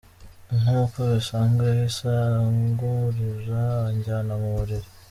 Nkuko bisanzwe yahise ankurura anjyana mu buriri.